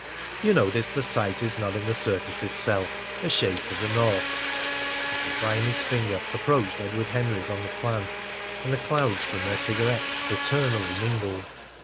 You notice the site is not in the Circus itself a shade to the north." Mr. Bryany's finger approached Edward Henry's on the plan and the clouds from their cigarettes fraternally mingled.